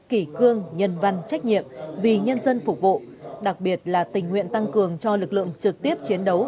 kỷ cương nhân văn trách nhiệm vì nhân dân phục vụ đặc biệt là tình nguyện tăng cường cho lực lượng trực tiếp chiến đấu